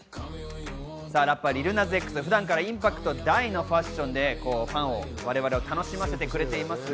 ラッパー、リル・ナズ・Ｘは普段からインパクト大のファッションでファンを楽しませてくれています。